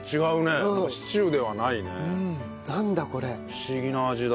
不思議な味だ。